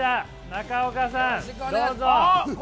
中岡さん、どうぞ。